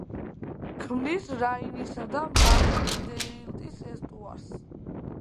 ქმნის რაინისა და მაასის დელტის ესტუარს.